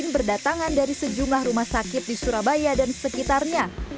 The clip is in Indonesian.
berdatangan dari sejumlah rumah sakit di surabaya dan sekitarnya